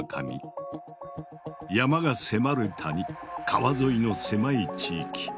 山が迫る谷川沿いの狭い地域。